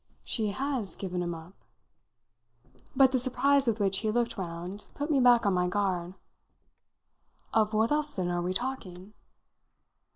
"She has given him up?" But the surprise with which he looked round put me back on my guard. "Of what else then are we talking?"